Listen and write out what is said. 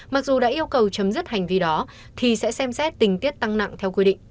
mặc dù đã yêu cầu chấm dứt hành vi đó thì sẽ xem xét tình tiết tăng nặng theo quy định